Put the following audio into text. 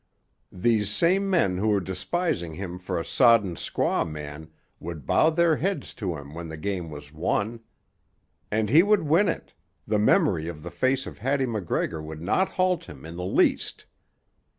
These same men who were despising him for a sodden squaw man would bow their heads to him when the game was won. And he would win it, the memory of the face of Hattie MacGregor would not halt him in the least.